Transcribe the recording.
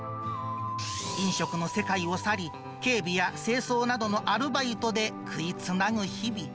飲食の世界を去り、警備や清掃などのアルバイトで食いつなぐ日々。